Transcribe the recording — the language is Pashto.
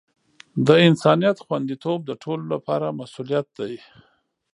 د انسانیت خوندیتوب د ټولو لپاره مسؤولیت دی.